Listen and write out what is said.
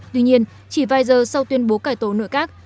tuy nhiên chỉ vài giờ sau tuyên bố cải tổ nội các